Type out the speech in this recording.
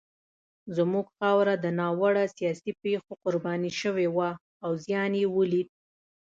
زموږ خاوره د ناوړه سیاسي پېښو قرباني شوې وه او زیان یې ولید.